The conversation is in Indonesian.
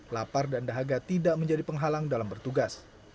lapar dan dahaga tidak menjadi penghalang dalam bertugas